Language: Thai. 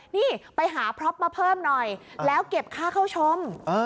นี่ไปหาพร็อปมาเพิ่มหน่อยแล้วเก็บค่าเข้าชม